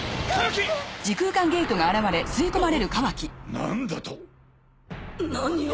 何だと！？何を。